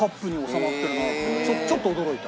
ちょっと驚いた。